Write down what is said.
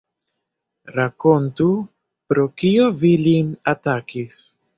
Rakontu, pro kio vi lin atakis?